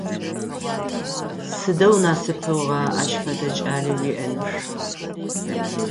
Сыдэу насыпыгъа ащ фэдэ кӏалэ уиӏэныр!